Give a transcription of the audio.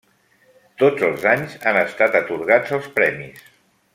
Tots els anys han estat atorgats els premis.